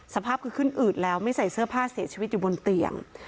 สภาพคือขึ้นอืดแล้วไม่ใส่เสื้อผ้าเสียชีวิตอยู่บนเตียง